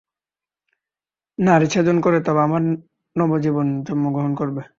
নাড়ী ছেদন করে তবে আমার নবজীবন জন্মগ্রহণ করবে।